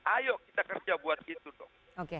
ayo kita kerja buat itu dong